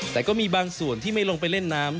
แต่ก็มีบางส่วนที่ไม่ลงไปเล่นน้ำ